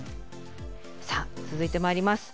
さあ続いてまいります。